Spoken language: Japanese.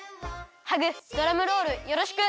ハグドラムロールよろしく！